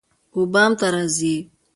وبام ته راځی